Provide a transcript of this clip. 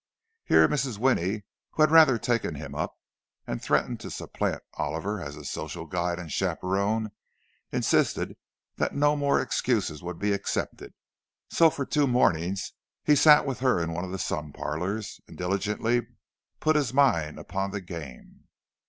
Here Mrs. Winnie, who had rather taken him up, and threatened to supplant Oliver as his social guide and chaperon, insisted that no more excuses would be accepted; and so for two mornings he sat with her in one of the sun parlours, and diligently put his mind upon the game.